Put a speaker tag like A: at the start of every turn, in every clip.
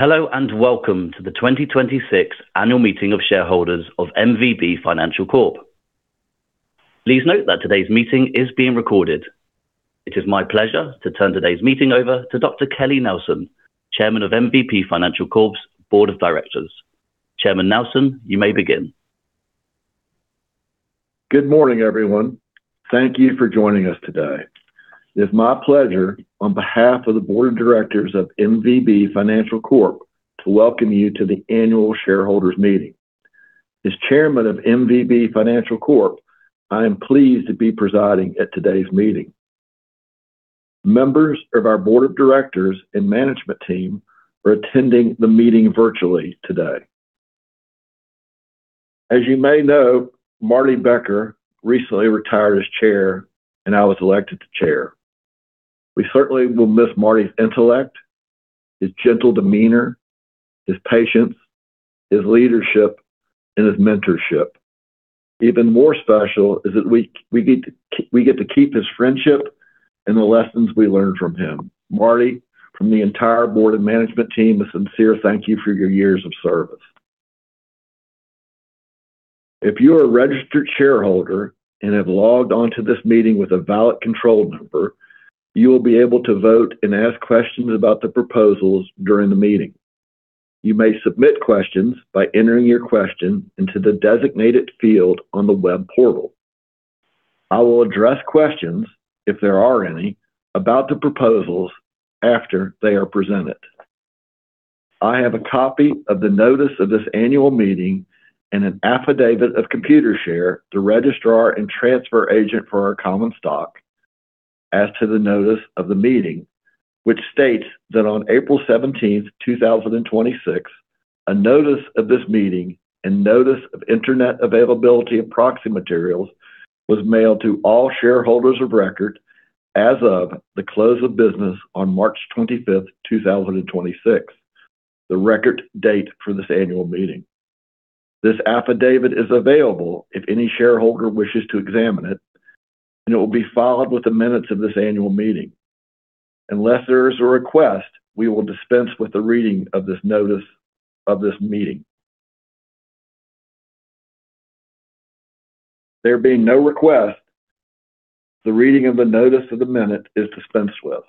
A: Hello and welcome to the 2026 annual meeting of Shareholders of MVB Financial Corp. Please note that today's meeting is being recorded. It is my pleasure to turn today's meeting over to Kelly Nelson, Chairman of MVB Financial Corp's Board of Directors. Chairman Nelson, you may begin.
B: Good morning, everyone. Thank you for joining us today. It is my pleasure, on behalf of the Board of Directors of MVB Financial Corp, to welcome you to the annual shareholders meeting. As Chairman of MVB Financial Corp, I am pleased to be presiding at today's meeting. Members of our board of directors and management team are attending the meeting virtually today. As you may know, Marty Becker recently retired as chair, and I was elected to chair. We certainly will miss Marty's intellect, his gentle demeanor, his patience, his leadership, and his mentorship. Even more special is that we get to keep his friendship and the lessons we learned from him. Marty, from the entire board and management team, a sincere thank you for your years of service. If you are a registered shareholder and have logged on to this meeting with a valid control number, you will be able to vote and ask questions about the proposals during the meeting. You may submit questions by entering your question into the designated field on the web portal. I will address questions, if there are any, about the proposals after they are presented. I have a copy of the notice of this annual meeting and an affidavit of Computershare, the registrar and transfer agent for our common stock, as to the notice of the meeting, which states that on April 17th, 2026, a notice of this meeting and notice of internet availability of proxy materials was mailed to all shareholders of record as of the close of business on March 25th, 2026, the record date for this annual meeting. This affidavit is available if any shareholder wishes to examine it, and it will be filed with the minutes of this annual meeting. Unless there is a request, we will dispense with the reading of this notice of this meeting. There being no request, the reading of the notice of the minute is dispensed with.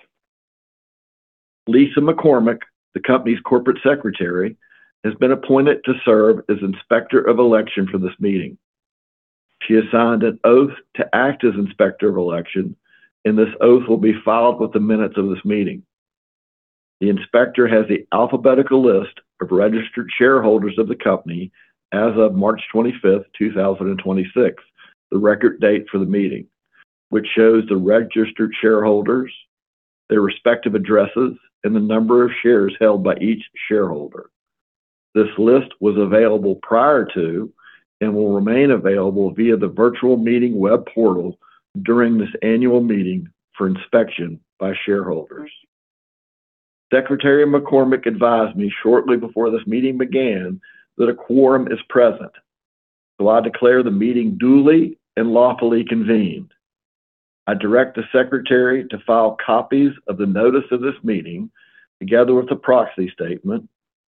B: Lisa McCormick, the company's Corporate Secretary, has been appointed to serve as Inspector of Election for this meeting. She has signed an oath to act as Inspector of Election, and this oath will be filed with the minutes of this meeting. The inspector has the alphabetical list of registered shareholders of the company as of March 25th, 2026, the record date for the meeting, which shows the registered shareholders, their respective addresses, and the number of shares held by each shareholder. This list was available prior to and will remain available via the virtual meeting web portal during this annual meeting for inspection by shareholders. Secretary McCormick advised me shortly before this meeting began that a quorum is present, so I declare the meeting duly and lawfully convened. I direct the secretary to file copies of the notice of this meeting, together with the proxy statement,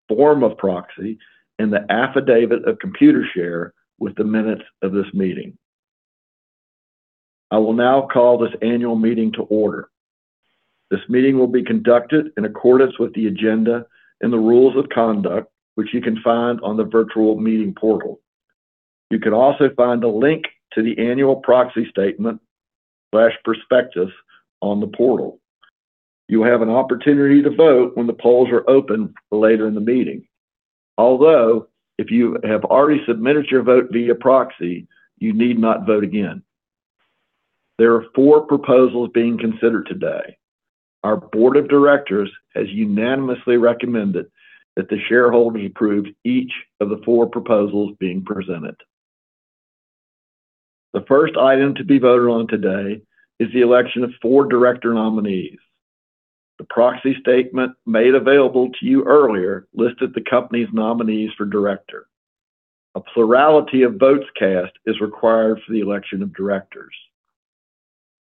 B: form of proxy, and the affidavit of Computershare with the minutes of this meeting. I will now call this annual meeting to order. This meeting will be conducted in accordance with the agenda and the rules of conduct, which you can find on the virtual meeting portal. You can also find a link to the annual proxy statement/prospectus on the portal. You will have an opportunity to vote when the polls are open later in the meeting. Although, if you have already submitted your vote via proxy, you need not vote again. There are four proposals being considered today. Our board of directors has unanimously recommended that the shareholder approves each of the four proposals being presented. The first item to be voted on today is the election of four director nominees. The proxy statement made available to you earlier listed the company's nominees for director. A plurality of votes cast is required for the election of directors.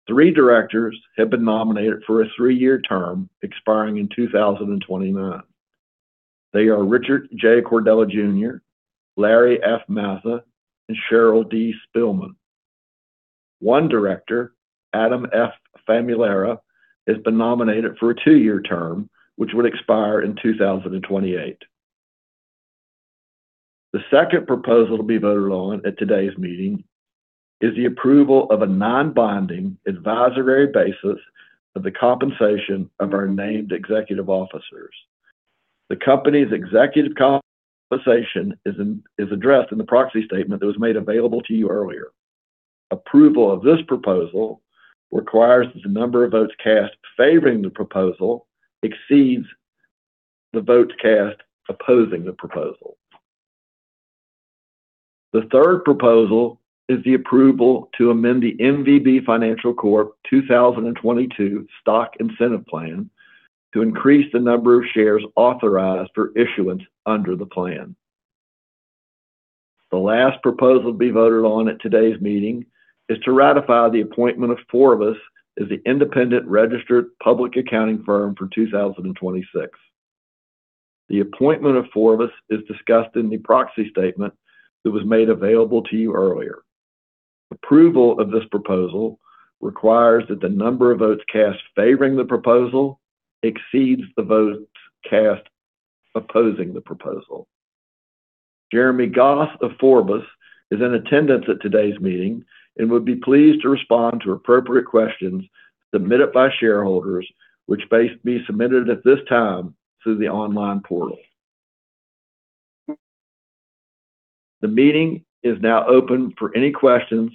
B: Three directors have been nominated for a three-year term expiring in 2029. They are Richard J. Cordella, Jr., Larry F. Mazza, and Cheryl D. Spielman. One director, Adam F. Famularo, has been nominated for a two-year term, which would expire in 2028. The second proposal to be voted on at today's meeting is the approval of a non-binding advisory basis of the compensation of our named executive officers. The company's executive compensation is addressed in the proxy statement that was made available to you earlier. Approval of this proposal requires that the number of votes cast favoring the proposal exceeds the votes cast opposing the proposal. The third proposal is the approval to amend the MVB Financial Corp 2022 Stock Incentive Plan to increase the number of shares authorized for issuance under the plan. The last proposal to be voted on at today's meeting is to ratify the appointment of Forvis as the independent registered public accounting firm for 2026. The appointment of Forvis is discussed in the proxy statement that was made available to you earlier. Approval of this proposal requires that the number of votes cast favoring the proposal exceeds the votes cast opposing the proposal. Jeremy Goss of Forvis is in attendance at today's meeting and would be pleased to respond to appropriate questions submitted by shareholders, which be submitted at this time through the online portal. The meeting is now open for any questions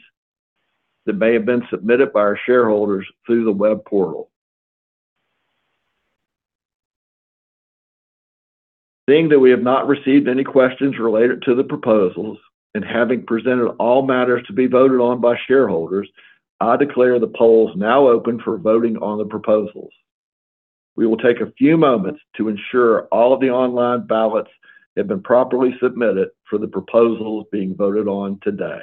B: that may have been submitted by our shareholders through the web portal. Seeing that we have not received any questions related to the proposals and having presented all matters to be voted on by shareholders, I declare the polls now open for voting on the proposals. We will take a few moments to ensure all of the online ballots have been properly submitted for the proposals being voted on today.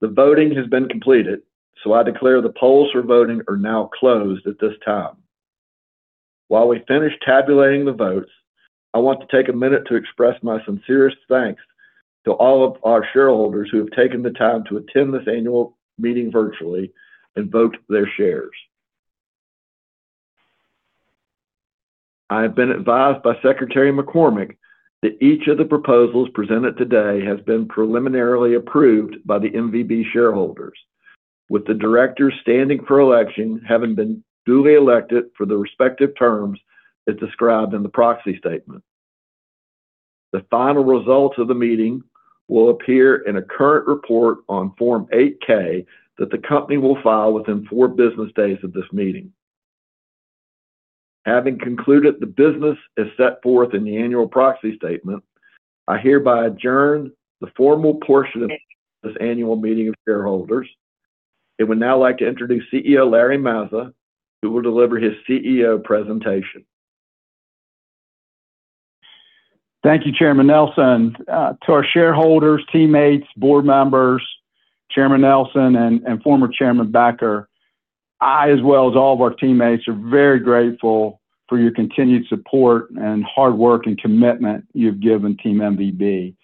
B: The voting has been completed, so I declare the polls for voting are now closed at this time. While we finish tabulating the votes, I want to take a minute to express my sincerest thanks to all of our shareholders who have taken the time to attend this annual meeting virtually and vote their shares. I have been advised by Secretary McCormick that each of the proposals presented today has been preliminarily approved by the MVB shareholders, with the directors standing for election having been duly elected for the respective terms as described in the proxy statement. The final results of the meeting will appear in a current report on Form 8-K that the company will file within four business days of this meeting. Having concluded the business as set forth in the annual proxy statement, I hereby adjourn the formal portion of this annual meeting of shareholders and would now like to introduce CEO Larry Mazza, who will deliver his CEO presentation.
C: Thank you, Chairman Nelson. To our shareholders, teammates, board members, Chairman Nelson and former Chairman Becker, I as well as all of our teammates are very grateful for your continued support and hard work and commitment you've given team MVB.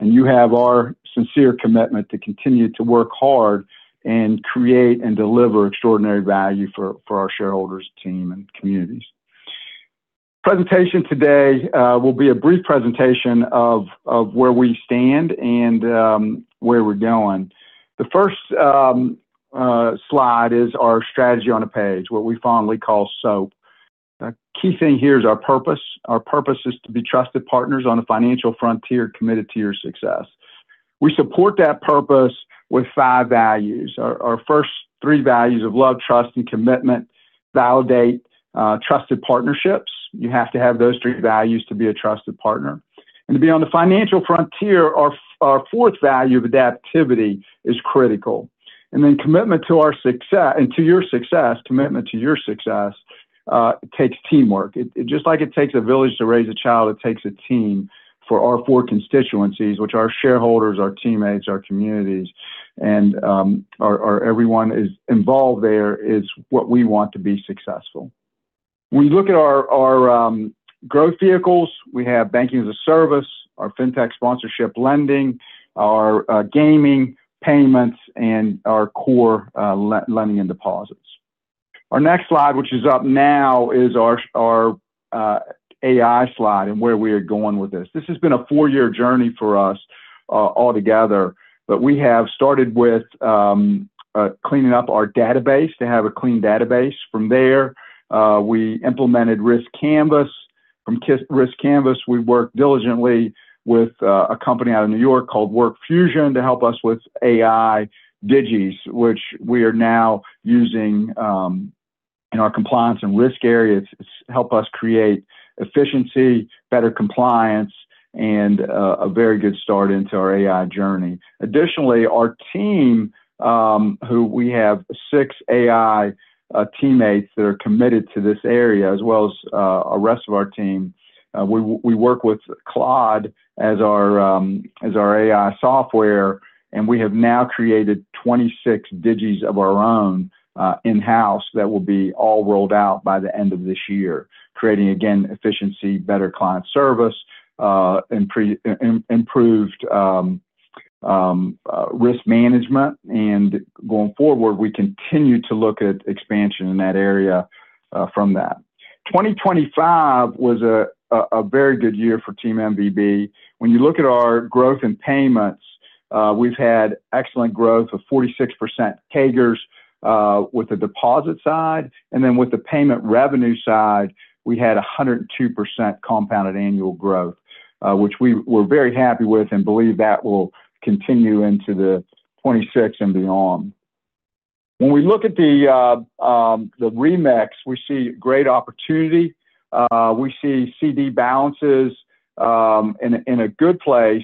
C: You have our sincere commitment to continue to work hard and create and deliver extraordinary value for our shareholders, team, and communities. Presentation today will be a brief presentation of where we stand and where we're going. The first slide is our strategy on a page, what we fondly call SOAP. The key thing here is our purpose. Our purpose is to be trusted partners on the financial frontier committed to your success. We support that purpose with five values. Our first three values of love, trust, and commitment validate trusted partnerships. You have to have those three values to be a trusted partner. To be on the financial frontier, our fourth value of adaptivity is critical. Commitment to your success takes teamwork. It just like it takes a village to raise a child, it takes a team for our four constituencies, which are our shareholders, our teammates, our communities, and everyone is involved there is what we want to be successful. We look at our growth vehicles. We have Banking-as-a-Service, our fintech sponsorship lending, our gaming payments, and our core lending and deposits. Our next slide, which is up now, is our AI slide and where we are going with this. This has been a four-year journey for us altogether. We have started with cleaning up our database to have a clean database. From there, we implemented riskCanvas. From riskCanvas, we worked diligently with a company out of New York called WorkFusion to help us with AI Digies, which we are now using in our compliance and risk areas. It's help us create efficiency, better compliance, and a very good start into our AI journey. Additionally, our team, who we have six AI teammates that are committed to this area, as well as our rest of our team, we work with Claude as our AI software, and we have now created 26 Digital Workers of our own in-house that will be all rolled out by the end of this year, creating, again, efficiency, better client service, improved risk management. Going forward, we continue to look at expansion in that area from that. 2025 was a very good year for team MVB. When you look at our growth and payments, we've had excellent growth of 46% CAGR with the deposit side. Then with the payment revenue side, we had 102% compounded annual growth, which we were very happy with and believe that will continue into the 2026 and beyond. When we look at the remix, we see great opportunity. We see CD balances in a good place.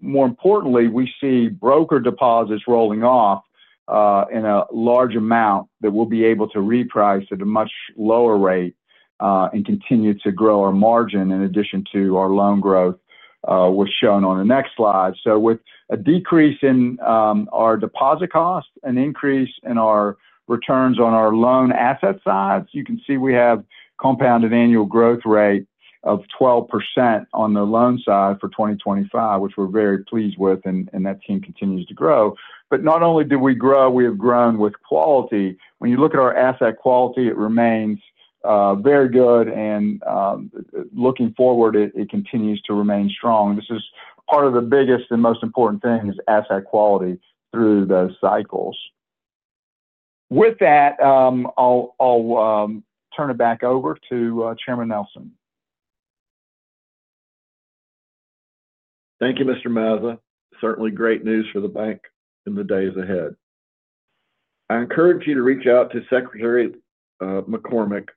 C: More importantly, we see brokered deposits rolling off in a large amount that we'll be able to reprice at a much lower rate and continue to grow our margin in addition to our loan growth, what's shown on the next slide. With a decrease in our deposit costs, an increase in our returns on our loan asset sides, you can see we have compounded annual growth rate of 12% on the loan side for 2025, which we're very pleased with, and that team continues to grow. Not only did we grow, we have grown with quality. When you look at our asset quality, it remains very good, and looking forward, it continues to remain strong. This is part of the biggest and most important thing is asset quality through the cycles. With that, I'll turn it back over to Chairman Nelson.
B: Thank you, Mr. Mazza. Certainly great news for the bank in the days ahead. I encourage you to reach out to Secretary McCormick,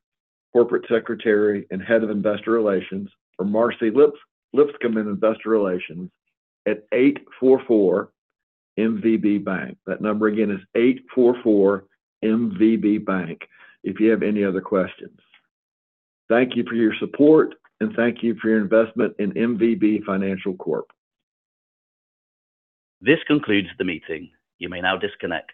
B: Corporate Secretary and Head of Investor Relations, or Marcie Lipscomb in Investor Relations at 844 MVB Bank. That number again is 844 MVB Bank, if you have any other questions. Thank you for your support. Thank you for your investment in MVB Financial Corp.
A: This concludes the meeting. You may now disconnect.